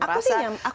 aku sih nyaman